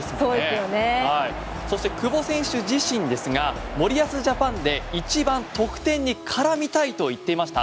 そして久保選手自身ですが森保ジャパンで一番得点に絡みたいと言っていました。